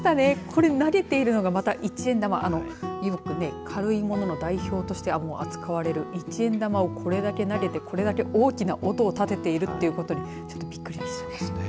これ投げているのが一円玉よく軽いものの代表として扱われる一円玉をこれだけ投げてこれだけ大きな音を立てているということにちょっとびっくりしました。